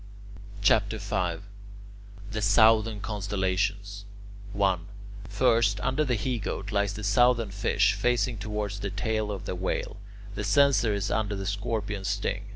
CHAPTER V THE SOUTHERN CONSTELLATIONS 1. First, under the He Goat lies the Southern Fish, facing towards the tail of the Whale. The Censer is under the Scorpion's sting.